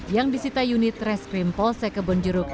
yang disita unit reskrim polsek kebonjeruk